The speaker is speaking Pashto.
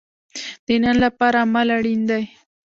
د نن لپاره عمل اړین دی